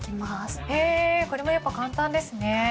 へぇこれもやっぱ簡単ですね。